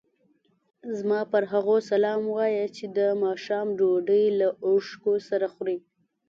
زما پر هغو سلام وایه چې د ماښام ډوډۍ له اوښکو سره خوري.